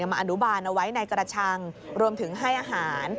มาอนุบาลเอาไว้ในกระชังรวมถึงให้อาหาร